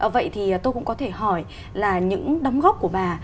vậy thì tôi cũng có thể hỏi là những đóng góp của bà